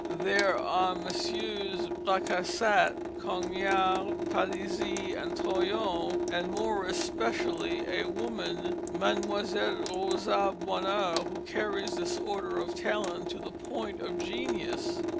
They are Messieurs Brascassat, Coignard, Palizzi, and Troyon, and more especially a woman, Mlle. Rosa Bonheur, who carries this order of talent to the point of genius.